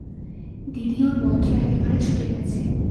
দিদি, ওর মন্ত্র একেবারে ছুটে গেছে।